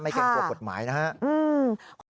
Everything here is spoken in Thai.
ไม่เก็บกวดหมายนะครับ